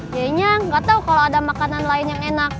yainya gak tahu kalau ada makanan lain yang enak